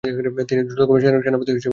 তিনি দ্রুতগামী সেনাপতি হিসেবে পরিচিত ছিলেন।